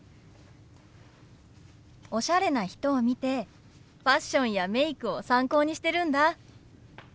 おしゃれな人を見てファッションやメイクを参考にしてるんだ。